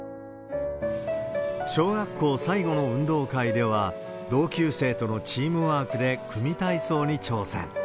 小学校最後の運動会では、同級生とのチームワークで組み体操に挑戦。